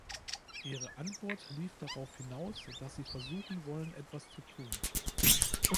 Ihre Antwort lief darauf hinaus, dass Sie versuchen wollen, etwas zu tun.